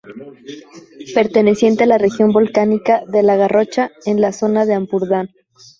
Pertenece a la Región volcánica de La Garrocha, en la zona del Ampurdán.